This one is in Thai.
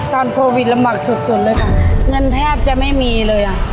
ตอนโควิดลำบากสุดสุดเลยค่ะเงินแทบจะไม่มีเลยอ่ะ